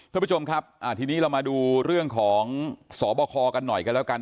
คุณผู้ชมครับทีนี้เรามาดูเรื่องของสบคกันหน่อยกันแล้วกัน